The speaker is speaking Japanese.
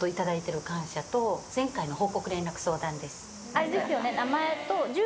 あれですよね。